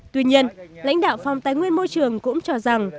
tuy nhiên lãnh đạo phòng tài nguyên môi trường cũng cho rằng